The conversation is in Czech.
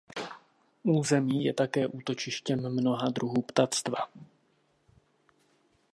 Území je také útočištěm mnoha druhů ptactva.